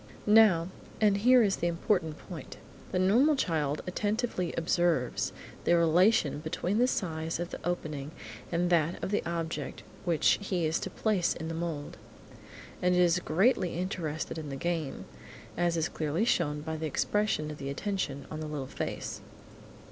Now, and here is the important point, the normal child attentively observes the relation between the size of the opening and that of the object which he is to place in the mould, and is greatly interested in the game, as is clearly shown by the expression of attention on the little face.